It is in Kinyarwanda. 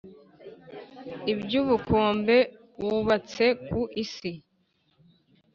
iby’ubukombe wubatse ku isi,